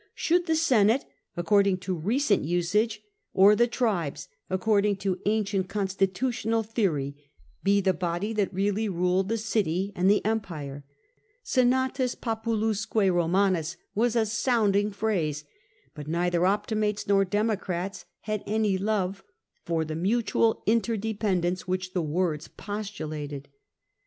Should the Senate, according to recent usage, or the tribes, according to ancient constitutional theory, be the body that really ruled the city and the empire? Senatus Popuhisqm Eomanus was a sounding phrase, but neither Optimates nor Democrats had any love for the mutual interdependence which the words postulated.